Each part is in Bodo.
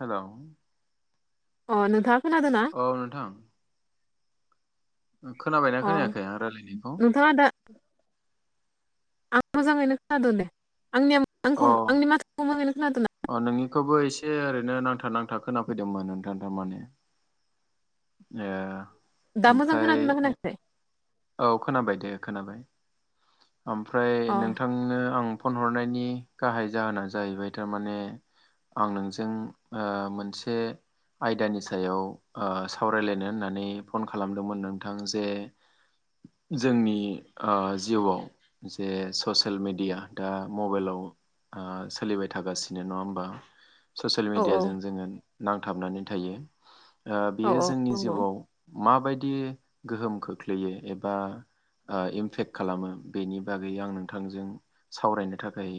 हेलौ अ नोंथाङा खोनादोंना औ नोंथां खोनाबायना खोनायाखै आं रायलायनायखौ खोनादो आं मोजाङैनो खोनादों दे आंनिया अ आंखौ आंनि माथोखौ मोजाङैनो खोनादों ना अ नोंनिखौबो एसे ओरैनो नांथा नांथा खोनाफैदोंमोन नोंथां थारमाने ए दा मोजां ओमफ्राय खोनादोंना खोनायाखै औ खोनाबाय दे खोनाबाय ओमफ्राय अ नोंथां नो आं फन हरनायनि गाहाय जाहोना जाहैबाय थारमाने आं नोंजों ओ मोनसे आयदानि सायाव सावरायलायनो होननानै फन खालामदोंमोन नोंथां जे जोंनि जिउआव जे ससियेल मिडिया दा मबाइलाव सोलिबाय थागासिनो नङा होमबा ससियेल औ औ मिडियाजों जोङो नांथाबनानै थायो औ बियो औ जोंनि नंगौ जिउआव माबायदि गोहोम खोख्लैयो ए बा इमफेक्ट खालामो बेनि बागै आं नोंथांजों सावरायनो थाखाय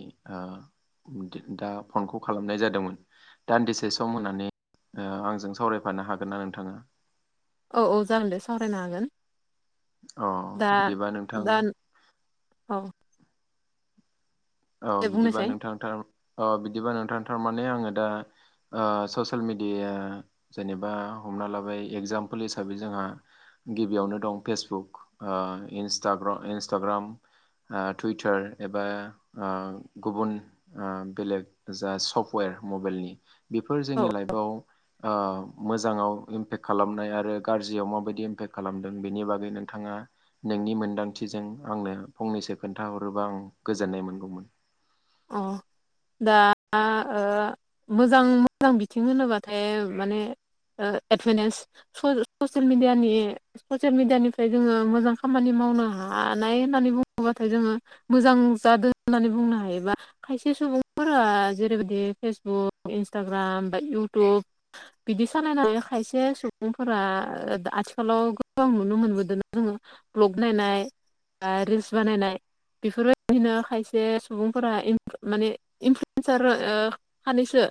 दा फनखौ खालामनाय जादोंमोन दान्दिसे सम होननानै आंजों सावरायफानो हागोन ना नोंथाङा औ औ जागोन दे सावरायनो हागोन अ दा बिदिबा नोंथां दा औ औ दे बिदिबा बुंनोसै नोंथांदों औ बिदिबा नोंथां थारमाने आङो दा ससियेल मेडियाया जेनेबा हमना लाबाय एगजामपोल हिसाबै जोंहा गिबियावनो दं फेसबुक इन्सटाग्र इन्सटाग्राम टुइटार एबा गुबुन बेलेग जा सफ्टवेर मबाइलनि बेफोर औ जोंनि लाइफआव मोजाङाव इमपेक्ट खालामनाय आरो गाज्रियाव माबायदि इम्पेक्ट खालामदों बेनि बागै नोंथाङा नोंनि मोनदांथिजों आंनो फंनैसो खोन्थाहरोबा आं गोजोननाय मोनगौमोन अ दा मोजां मोजां बिथिं होनोबाथाय माने एडभनेसफोर ससियेल मिडियानि ससियेल मिडियानिफ्राय जोङो मोजां खामानि मावनो हानाय होननानै बुङोब्लाथाय जोङो मोजां जादों होननानै बुंनो हायोबा खायसे सुबुंफोरा जेरैबायदि फेसबुक इन्सटाग्राम बा इउटुब बिदि सालायनानै खायसे सुबुंफोरा आथिखालाव गोबां नुनो मोनबोदों जोङो भ्लग नायनाय रिल्स बानायनाय बेफोरबायदिनो खायसे सुबुं [unintelligible] सानैसो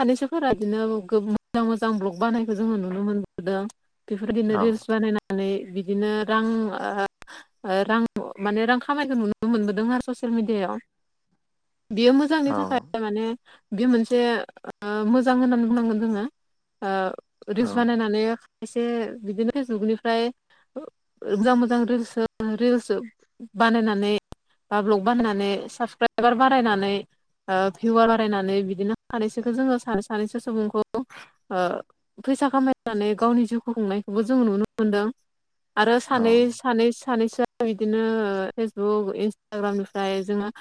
सानैसोफोरा बिदिनो मोजां मोजां ब्लग बानायखौ जोङो नुनो मोनबोदों औ बेफोरबादिनो रिल्स बानायनानै बिदिनो रां ओ रां माने रां खामायखौ नुनो मोनबोदों आरो ससियेल मिडियायाव बियो मोजांनि औ थाखाय माने बेयो मोनसे मोजां होननानै बुंनांगोन जोङो ओ औ रिलस बानायनानै एसे बिदिनो फेसबुकनिफ्राय मोजां मोजां रिल्स रिल्स बानायनानै बा भ्लग बानायनानै साबसक्राइबार बानायनानै भिवार बारायनानै बिदिनो सानैसोखौ जोङो सानै सानैसो सुबुंखौ ओ फैसा खामायनानै गावनि जिउखौ खुंनायखौबो जों नुनो मोनदों आरो सानै सानै सानैसोआ बिदिनो फेसबुक इन्सटाग्रामनिफ्राय जोङो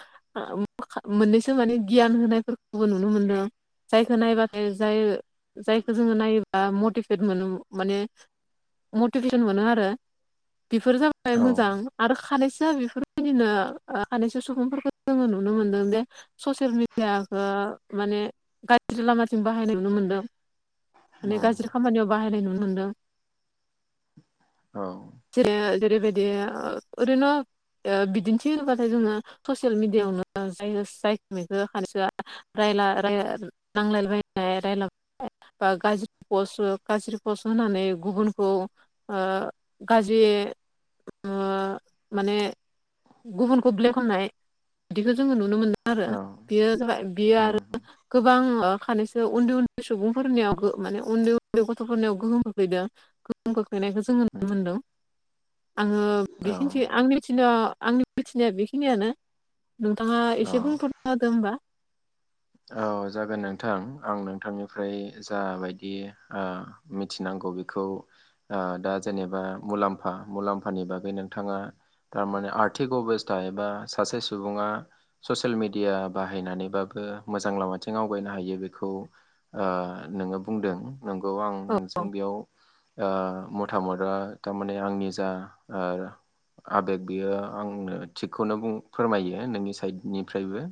मोननैसो माने गियान होनायफोरखौबो नुनो मोनदों जायखौ नायबाथाय जाय जायखौ जोङो नायोबा मटिभेट मोनो माने मटिभेसन मोनो आरो बेफोर जाबाय औ मोजां आरो खानैसोआ बेफोरबायदिनो खानैसो सुबुंफोरखौ जोङो नुनो मोनदों जे ससियेल मिडियाखौ माने गाज्रि लामाथिं बाहायनाय नुनो मोन्दों माने उम गाज्रि खामानियाव बाहायनाय नुनो मोन्दों औ जे जेरैबायदि ओरैनो बिदिन्थि होनोबाथाय जोङो ससियेल मिडियाआवनो जाय जायो खानैसोआ रायला रायला नांलाय बायनाय रायला बा गाज्रि पस् गाज्रि पस्ट होनानै गुबुनखौ ओ गाज्रि ओ माने गुबुनखौ ब्लेक होननाय बिदिखौ जोङो नुनो मोनो आरो औ बेयो जाबाय बियो आरो उम गोबां खानैसो उन्दै उन्दै सुबुंफोरनियाव माने उन्दै उन्दै गथ'फोरनियाव गोहोम खोख्लैदों गोहोम खोख्लैनायखो जो जों नुनो उम मोनदों आङो औ बेखिनि आं मिथिनो आंनि मिथिनाया बेखिनियानो नोंथाङा औ एसे बुंफोरना होदो होमबा औ जागोन नोंथां आं नोंथांनिफ्राय जाबायदि ओ मिथिनांगौ बेखौ ओ दा जेनेबा मुलाम्फा मुलाम्फानि बागै नोंथाङा थारमाने आर्थिक अबस्था एबा सासे सुबुङा ससियेल मिडिया बाहायनानैबाबो मोजां लामाथिं आवगायनो हायो बेखौ ओ नोङो बुंदों नंगौ आं औ नोंजों बेयाव ओ मथामत थारमाने आंनि जा ओ आबेग बेयो आंनो थिगखौनो फोरमायो नोंनि साइडनिफ्रायबो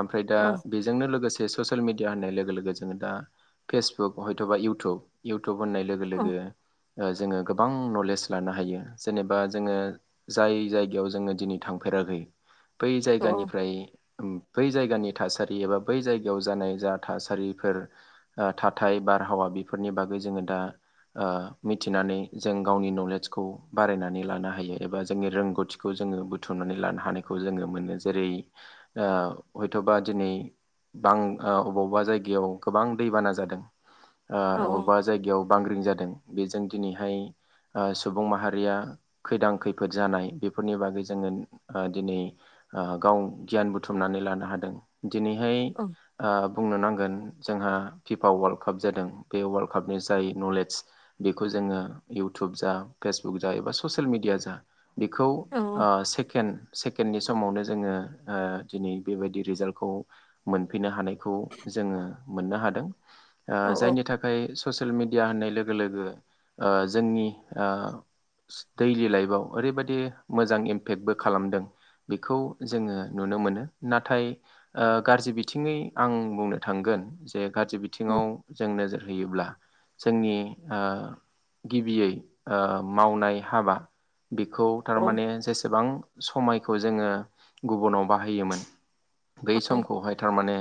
ओमफ्राय दा औ बेजोंनो लोगोसे ससियेल मेडिया होननाय लोगो लोगो जोङो दा फेसबुक हयथ'बा इउटुब इउटुब होननाय लोगो औ लोगो जोङो गोबां नलेज लानो हायो जेनेबा जोङो जाय जायगायाव जोङो दिनै थांफेराखै बै औ जायगानिफ्राय बै जायगानि थासा रि एबा बै जायगायाव जानाय जा थासारिफोर ओ थाथाय बारहावा बेफोरनि बागै जोङो दा ओ मिथिनानै जों गावनि नलेजखौ बारायनानै लानो हायो एबा जोंनि रोंगौथि खौ जोङो बुथुमनानै लानो हानायखौ जोङो मोनो जेरै ओ हयथ'बा दिनै बां अबावबा जायगायाव गोबां दैबाना जादों ओ औ अबेबा जायगायाव बांग्रिं जादों बेजों दिनैहाय ओ सुबुं माहारिया खैदां खैफोद जानाय बेफोरनि बागै जोङो ओ दिनै ओ गाव गियान बुथुमनानै लानो हादों दिनैहाय औ ओ बुंनो नांगोन जोंहा फिफा वार्ल्ड काप जादों बे वार्ल्ड कापनि जाय नलेज बेखौ जोङो इयउटुब जा फेसबुक जा एबा ससियेल मिडिया जा बेखौ औ ओ सेकेणड सेकेण्डनि समावनो जोङो ओ दिनै बेबायदि रिजाल्ट खौ मोनफैनो हानायखौ जोङो मोननो हादों ओ औ जायनि था खाय ससियेल मिडिया होननाय लोगो लोगो ओ जोंनि ओ दैलि लाइफआव ओरैबायदि मोजां इमपेक्टबो खालामदों बेखौ जोङो नुनो मोनो नाथाय ओ गाज्रि बिथिंनि आं बुंनो थांगोन जे गाज्रि बिथिङाव जों नोजोर होयोब्ला जोंनि ओ गिबियै ओ मावनाय हाबा बेखौ औ थारमाने जेसेबां समायखौ जोङो गुबुनाव बाहायोमोन बै समखौहाय थारमाने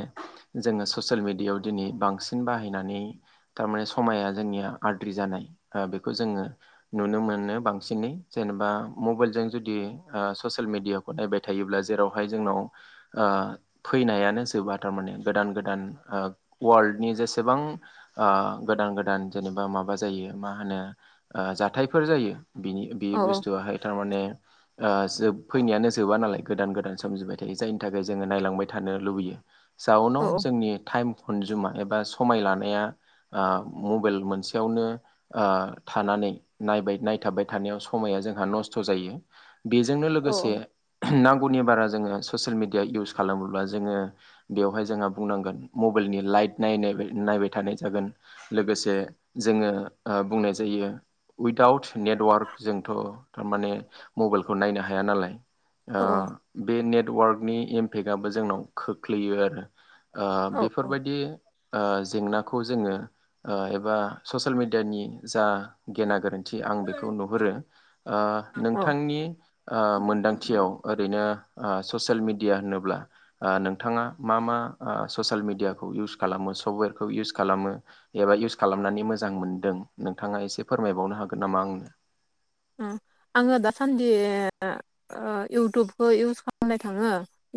जोङो ससियेल मिडियायाव दिनै बांसिन बाहायनानै थारमाने समाया जोंनिया आद्रि जानाय बेखौ जोङो नुनो मोनो बांसिनै जेनेबा मबाइलजों जुदि ससियेल मिडिया खौ नायबाय थायोब्ला जेरावहाय जोंनाव ओ फैनायानो जोबा थारमाने गोदान गोदान वर्ल्डनि जेसेबां ओ गोदान गोदान जेनेबा माबा जायो मा होनो ओ जाथायफोर जायो बिनि बे बुस्थुआहाय थारमाने ओ जोब फैनायानो जोबा नालाय गोदान गोदान सोमजिबाय थायो जायनि थाखाय जोङो नायलांबाय थानो लुबैयो औ जाउनाव जोंनि टाइम कनजुमा एबा समाय लानाया ओ मबाइल मोनसेयावनो ओ थानानै नायबाय नायथाबबाय थानायाव समाया जोंहा नस्थ' जायो बेजोंनो लोगोसे नांगौनि बारा जोङो ससियेल मिडिया इउस खालामोब्ला जोङो बेवहाय जोंहा बुंनांगोन मबाइलनि लाइट नाय नायबाय थानाय जागोन लोगोसे जोङो ओ बुंनाय जायो उइदाउट नेटवार्क जोंथ थारमाने मबाइलखौ नायनो हाया नालाय ओ औ बे नेटवार्कनि इमपेक्टआ जोंनाव खोख्लैयो आरो ओ औ बेफोरबायदि ओ जेंना खौ जोङो ओ एबा ससियेल मिडियानि जा गेना गोरोन थि आं बेखौ नुहुरो औ नोंथांनि ओ मोनदांथियाव ओरैनो आ ससियेल मेडिया होनोब्ला ओ नोंथाङा मा मा आ ससियेल मिडियाखौ इउस खालामो सफ्टवेरखौ इउस खालामो एबा इउस खालामनानै मोजां मोनदों नोंथाङा एसे फोरमायबावनो हागोन नामा आंनो ओं आङो दासान्दि ओ इउटुबखौ इउस खालामनाय थाङो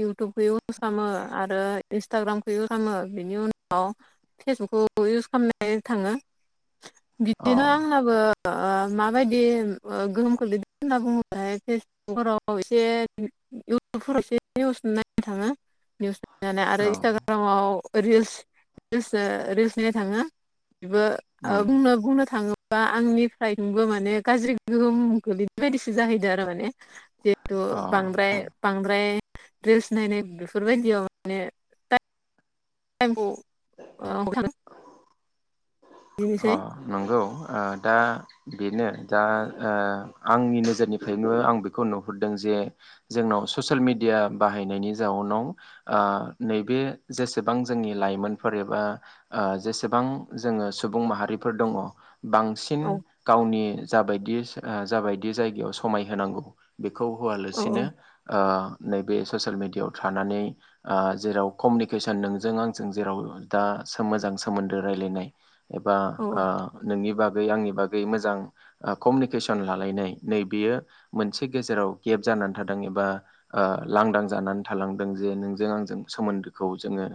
इउटुबखो खामो आरो इन्सटाग्रामखो खामो बेनि उनाव फेसबुकखौ इउस खालामनाय थाङो अ बिदिनो आंनाबो ओ माबायदि गोहोम खोलैदों होनना बुङोब्लाथाय फेसबुगफोराव एसे इउटुबफोरावसो निउस नायनो थाङो निउस आरो औ इन्सटाग्रामाव रिल्स रिल्स ओ रिल्स नायनो थाङो इबो उम ओ बुंनो बुंनो थाङोबा आंनिफ्रायबो माने गाज्रि गोहोम गोलैदो बायदिसो जाहैदो आरो माने जिहेथु बांद्राय अ बांद्राय रिल्स नायनाय बेफोरबायदियाव माने टाइमखौ अ बिदिनोसै नंगौ ओ दा बेनो दा ओ आंनि नोजोरनिफ्रायनो आं बेखौ नुहुरदों जे जोंनाव ससियेल मिडिया बाहायनायनि जाउनाव आ नैबे जेसेबां जोंनि लाइमोन फोर एबा ओ जेसेबां जोङो सुबुं माहारिफोर दङ बांसिन औ गावनि जाबायदि जाबायदि जायगायाव समाय होनांगौ बेखौ औ औ होआलासिनो ओ नैबे ससिल मेडियायाव थानानै आ जेराव कमिउनिकेसन नोंजों आंजों जेराव दा सो मोजां सोमोन्दो रायलायनाय एबा आ औ नोंनि बागै आंनि बागै मोजां कमिउनिकेसन लालायनाय नै बेयो मोनसे गेजेराव गेप जानानै थादों एबा आ लांदां जानानै थालांदों जे नोंजों आंजों सोमोन्दोखौ जोङो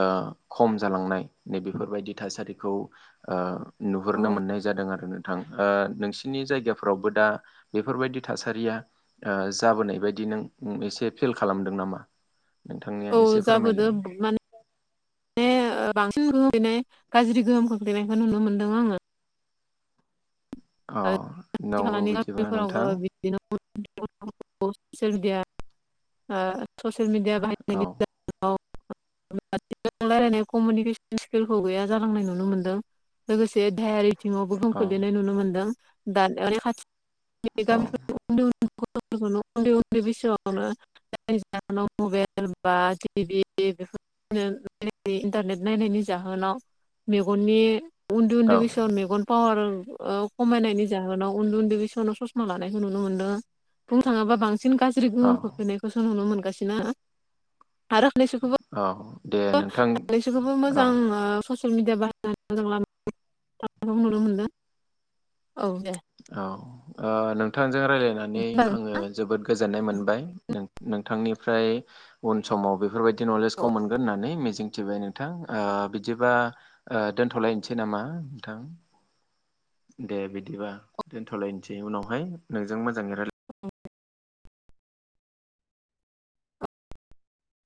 ओ खम जालांनाय नै बेफोरबायदि थासारिखौ ओ औ नुहुरनो मोननाय जादों आरो नोंथां ओ नोंसिनि जायगाफ्रावबो दा बेफोरबायदि थासारिया ओ जाबोनाय बायदि नों एसे फिल खालामदों नामा नोंथांनिया औ एसे जाबोदो फोरमायलाय माने माने बांसिन गोहोम गोलैनाय गाज्रि गोहोम खोख्लैनायखौ नुनो मोन्दों आङो अ खाथि नंगौ खालानि बिदिबा गामिफोरावबो नोंथां बिदिनो [unintelligible] ससियेल मिडिया औ बाहायनायनि [unintelligible] [unintelligible] रायलायनाय कमिउनिकेसन स्किलखौ गैया जालांनाय नुनो मोनदों लोगोसे देहायारि बिथिङाव गोहोम औ खोलैनायखौ नुनो मोनदों दानि [unintelligible] औ [unintelligible] उन्दै उन्दै बैसोआवनो जायनि जाहोनाव मबाइल बा टिभि बेफोर [unintelligible] इन्टारनेट नायनायनि जाहोनाव मेगननि उन्दै औ उन्दै बैसोआव मेगन पावार ओ खमायनायनि जाहोनाव उन्दै उन्दै बैसोआवनो ससमा लानायखौ नुनो मोनदों बुंनो थाङोबा बांसिन बांसिन गाज्रि औ गोमोम खोख्लैनायखौसो नुनो मोनगासिनो आरो बैफोरखौबो औ दे नोंथां बैफोरखौबो औ मोजां ओ ससियेल मिडिया बाहायनानै [unintelligible] नुनो मोनदों औ दे औ ओ नोंथांजों रायज्लायनानै होमबा आङो नोंथां। जोबोद गोजोननाय मोनबाय नों नोंथांनिफ्राय उन समाव बेफोरबायदि नलेजखौ मोनगोन होननानै मिजिं थिबाय नोंथां ओ बिदिबा ओ दोन्थलायनोसै नामा नोंथां दे बिदिबा दोनथलायनोसै उनावहाय नोंजों मोजाङै रा [unintelligible]